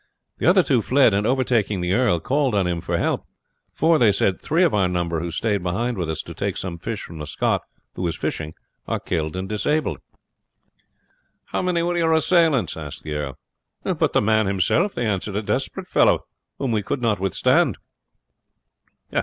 The other two fled, and overtaking the earl, called on him for help; "for," they said, "three of our number who stayed behind with us to take some fish from the Scot who was fishing are killed or disabled." "How many were your assailants?" asked the earl. "But the man himself," they answered; "a desperate fellow whom we could not withstand."